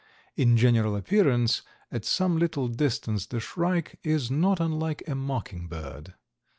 In general appearance at some little distance the shrike is not unlike a mocking bird.